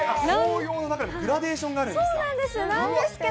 紅葉の中にグラデーションがあるんですか。